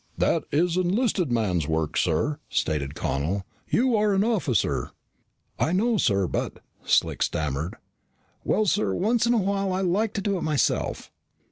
"That is enlisted man's work, sir," stated Connel. "You are an officer." "I know, sir, but " Slick stammered. "Well, sir, once in a while I like to do it myself."